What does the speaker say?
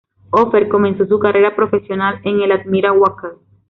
Hoffer comenzó su carrera profesional en el Admira Wacker.